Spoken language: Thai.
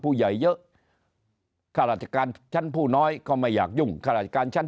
ผู้ใหญ่เยอะข้าราชการชั้นผู้น้อยก็ไม่อยากยุ่งข้าราชการชั้น